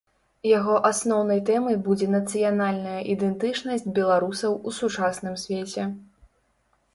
Яго асноўнай тэмай будзе нацыянальная ідэнтычнасць беларусаў у сучасным свеце.